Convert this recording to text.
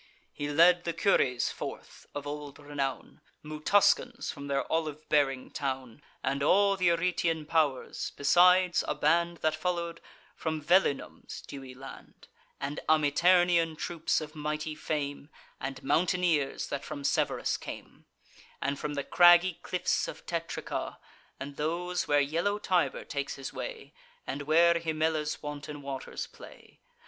He led the Cures forth, of old renown, Mutuscans from their olive bearing town, And all th' Eretian pow'rs; besides a band That follow'd from Velinum's dewy land, And Amiternian troops, of mighty fame, And mountaineers, that from Severus came, And from the craggy cliffs of Tetrica, And those where yellow Tiber takes his way, And where Himella's wanton waters play.